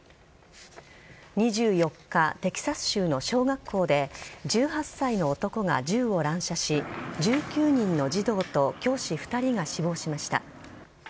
２４日、テキサス州の小学校で１８歳の男が銃を乱射し１９人の児童と教師２人が死亡しました。